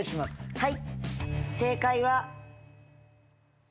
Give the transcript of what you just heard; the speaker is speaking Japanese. はい。